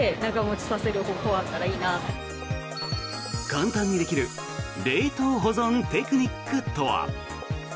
簡単にできる冷凍保存テクニックとは。